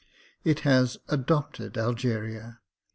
It has adopted Algeria.